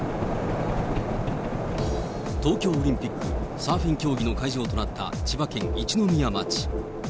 東京オリンピックサーフィン競技の会場となった千葉県一宮町。